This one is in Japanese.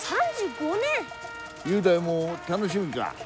３５年⁉雄大もたのしみか。